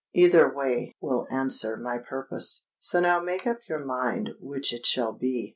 Either way will answer my purpose. So now make up your mind which it shall be.